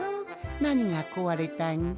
なにがこわれたんじゃ？